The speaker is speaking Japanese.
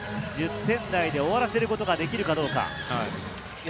１０点台で終わらせることができるかどうか？